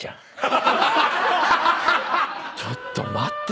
ちょっと待って。